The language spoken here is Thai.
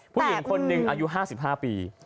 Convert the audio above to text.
ผู้หญิงคนหนึ่งอายุ๕๕ปี